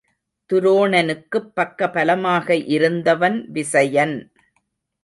துரோணனுக்குப் பக்க பலமாக இருந்தவன் விசயன்.